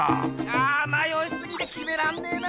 あまよいすぎてきめらんねえな！